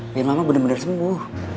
biar mama bener bener sembuh